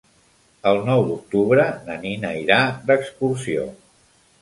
El nou d'octubre na Nina irà d'excursió.